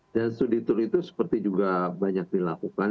dan studi tur itu seperti juga banyak dilakukan